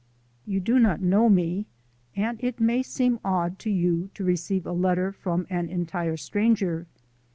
You do not know me, and it may seem odd to you to receive a letter from an entire stranger.